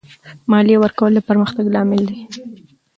مالیه ورکول د پرمختګ لامل دی.